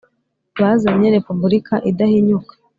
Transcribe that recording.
bazanye Repubulika idahinyuka.